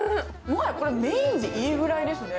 これメーンでいいぐらいですね。